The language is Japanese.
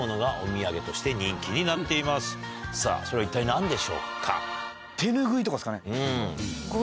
さぁそれは一体何でしょうか？